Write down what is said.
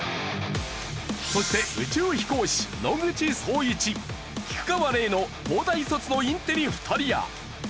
そして宇宙飛行士野口聡一菊川怜の東大卒のインテリ２人や。